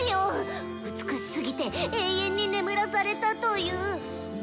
美しすぎて永遠に眠らされたという。